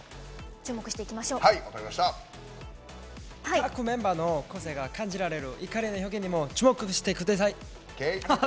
各メンバーの個性が感じられる表現にも注目してください。